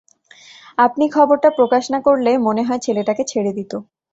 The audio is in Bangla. আপনি খবরটা প্রকাশ না করলে, মনে হয় ছেলেটাকে ছেড়ে দিতো।